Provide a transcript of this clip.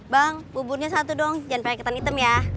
bang buburnya satu dong jangan pakai ketan hitam ya